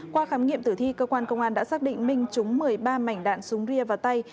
qua khám nghiệm tử thi cơ quan công an đã xác định minh trúng một mươi ba mảnh đạn súng ria và tay